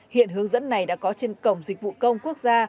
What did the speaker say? hiện hướng dẫn này đã có trên cổng dịch vụ công quốc gia